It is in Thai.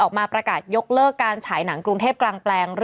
เป็นการกระตุ้นการไหลเวียนของเลือด